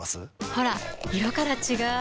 ほら色から違う！